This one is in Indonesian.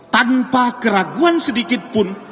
tanpa keraguan sedikit pun